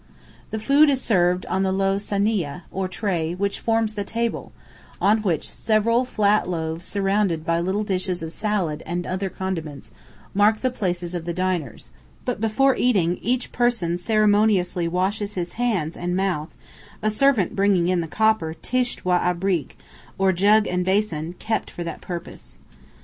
The food is served on the low "sahniyeh," or tray, which forms the table, on which several flat loaves surrounded by little dishes of salad and other condiments, mark the places of the diners; but before eating, each person present ceremoniously washes his hands and mouth, a servant bringing in the copper "tisht wa abrīk," or jug and basin, kept for that purpose.